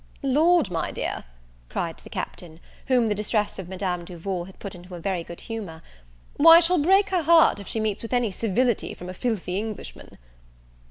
"Lord, my dear," cried the Captain, whom the distress of Madame Duval had put into very good humour, "why, she'll break her heart if she meets with any civility from a filthy Englishman."